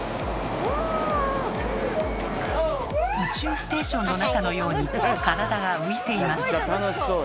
宇宙ステーションの中のように体が浮いています。